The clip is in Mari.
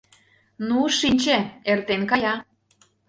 — Ну, шинче, — эртен кая.